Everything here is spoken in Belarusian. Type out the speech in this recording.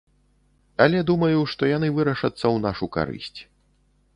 Але думаю, што яны вырашацца ў нашу карысць.